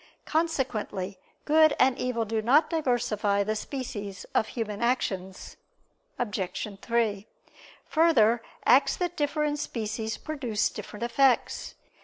Consequently good and evil do not diversify the species of human actions. Obj. 3: Further, acts that differ in species produce different effects.